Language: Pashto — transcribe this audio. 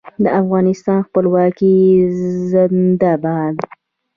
د افغانستان خپلواکي زنده باد.